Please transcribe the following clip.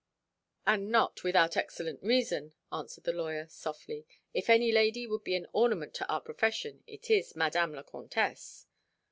"And not without excellent reason," answered the lawyer, softly; "if any lady would be an ornament to our profession, it is Madame la Comtesse."